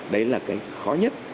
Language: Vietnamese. đấy là cái khó nhất